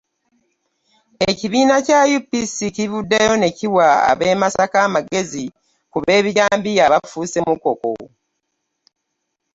Ekibiina Kya UPC kivuddeyo ne kiwa ab'e Masaka amagezi ku b'ebijambiya abafuuse mukoko.